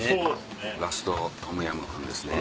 ラストトムヤムクンですね。